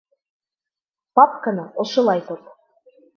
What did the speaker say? Папканы ошолай тот.